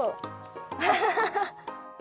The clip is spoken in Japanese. アハハハ。